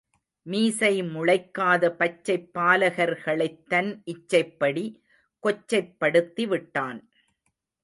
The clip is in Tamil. மீசை முளைக்காத பச்சைப் பால கர்களைத் தன் இச்சைப்படி கொச்சைப்படுத்தி விட்டான்.